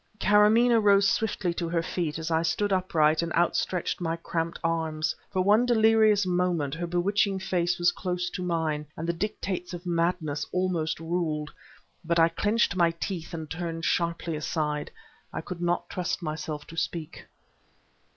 Karamaneh rose swiftly to her feet as I stood upright and outstretched my cramped arms. For one delirious moment her bewitching face was close to mine, and the dictates of madness almost ruled; but I clenched my teeth and turned sharply aside. I could not trust myself to speak.